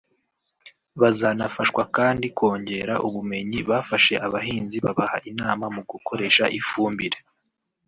Bazanafashwa kandi kongera ubumenyi bafashe abahinzi babaha inama mu gukoresha ifumbire